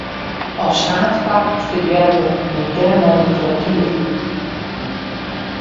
As haadfak studearret er moderne literatuer.